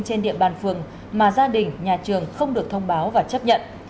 trên địa bàn phường mà gia đình nhà trường không được thông báo và chấp nhận